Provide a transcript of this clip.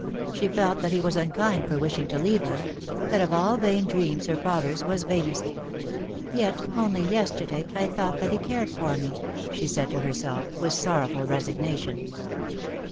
She felt that he was unkind for wishing to leave her — that of all vain dreams her father's was vainest. " Yet, only yesterday, I thought that he cared for me," she said to herself, with sorrowful resignation.